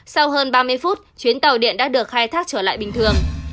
sau hơn ba mươi phút chuyến tàu điện đã được khai thác trở lại bình thường